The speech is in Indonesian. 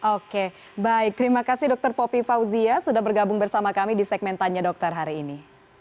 oke baik terima kasih dokter popi fauzia sudah bergabung bersama kami di segmen tanya dokter hari ini